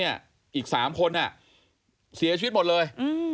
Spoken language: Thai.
อีก๓คนเสียชีวิตหมดเลย